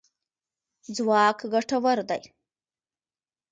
ځواک ګټور دی.